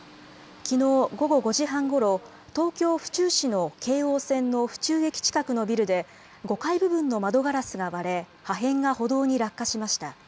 きのう午後５時半ごろ東京、府中市の京王線の府中駅近くのビルで５階部分の窓ガラスが割れ破片が歩道に落下しました。